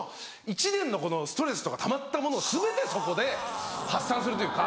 一年のストレスとかたまったものを全てそこで発散するというか。